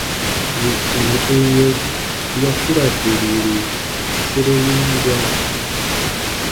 Yè tɔnu u yɛ̃ ya ku ra derire sere win gɔɔ.